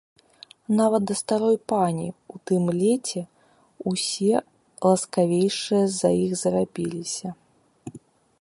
Нават да старой пані ў тым леце ўсе ласкавейшыя з-за іх зрабіліся.